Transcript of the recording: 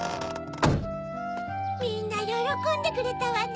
みんなよろこんでくれたわね。